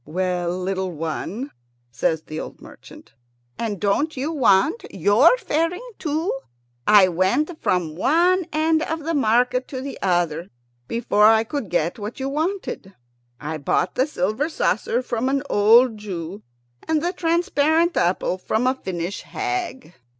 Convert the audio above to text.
"Well, little one," says the old merchant, "and don't you want your fairing too? I went from one end of the market to the other before I could get what you wanted. I bought the silver saucer from an old Jew, and the transparent apple from a Finnish hag."